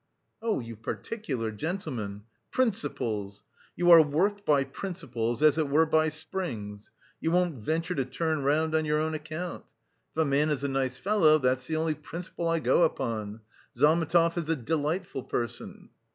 "Oh, you particular gentleman! Principles! You are worked by principles, as it were by springs; you won't venture to turn round on your own account. If a man is a nice fellow, that's the only principle I go upon. Zametov is a delightful person."